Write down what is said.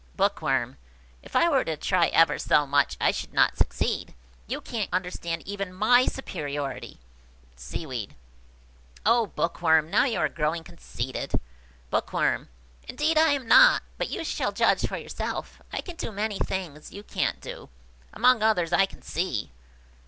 Bookworm. "If I were to try ever so much, I should not succeed. You can't understand even my superiority." Seaweed. "Oh, Bookworm! now you are growing conceited." Bookworm. "Indeed I am not; but you shall judge for yourself. I can do many things you can't do; among others, I can see."